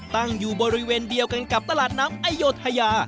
ตั้งอยู่บริเวณเดียวกันกับตลาดน้ำอโยธยา